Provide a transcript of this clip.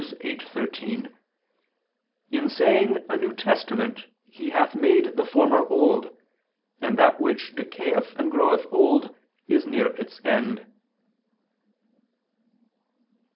8:13): "In saying a new (testament), he hath made the former old: and that which decayeth and groweth old, is near its end."